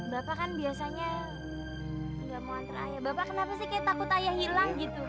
bapak kan biasanya nggak mau antre ayah bapak kenapa sih kayak takut ayah hilang gitu